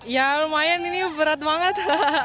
ya lumayan ini berat banget